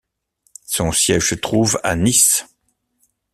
Son siège se trouve à Nice.